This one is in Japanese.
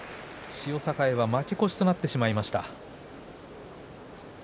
千代栄は負け越しとなってしまいました。